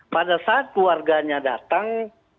pada saat keluarganya datang